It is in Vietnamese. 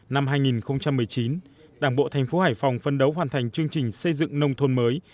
năm hai nghìn một mươi chín đảng bộ thành phố hải phòng phân đấu hoàn thành chương trình xây dựng nông thôn mới